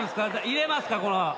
いれますか？